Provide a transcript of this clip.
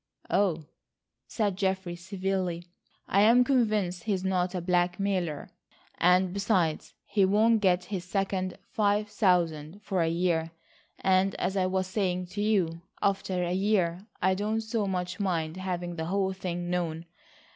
"Oh," said Geoffrey civilly, "I am convinced he is not a blackmailer. And besides, he won't get his second five thousand for a year, and as I was saying to you, after a year I don't so much mind having the whole thing known.